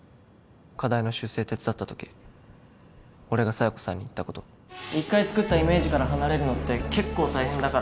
課題の修正手伝った時俺が佐弥子さんに言ったこと一回作ったイメージから離れるのって結構大変だから